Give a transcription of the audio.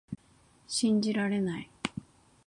信じられない